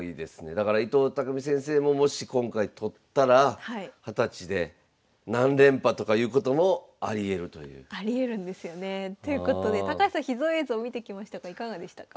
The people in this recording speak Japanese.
だから伊藤匠先生ももし今回取ったら二十歳でありえるんですよね。ということで高橋さん秘蔵映像見てきましたがいかがでしたか？